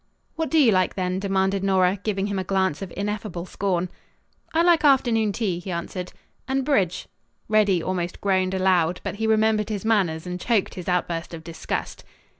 "What do you like, then?" demanded Nora, giving him a glance of ineffable scorn. "I like afternoon tea," he answered, "and bridge." Reddy almost groaned aloud, but he remembered his manners and choked his outburst of disgust.